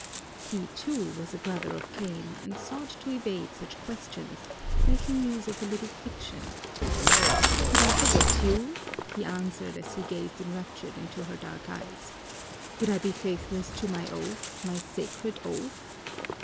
He, too, was a brother of Cain, and sought to evade such questions, making use of a little fiction. "Could I forget you?" he answered as he gazed enraptured into her dark eyes. "Could I be faithless to my oath, my sacred oath?